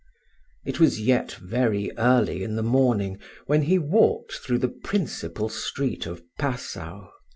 It was yet very early in the morning, when he walked through the principal street of Passau.